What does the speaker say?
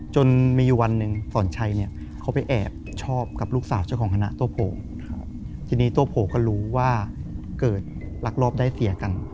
จนมีอยู่วันหนึ่งสอนชัยเนี่ยเขาไปแอบชอบกับลูกสาวเจ้าของคณะตัวโผล่ทีนี้ตัวโผล่ก็รู้ว่าเกิดลักลอบได้เสียกัน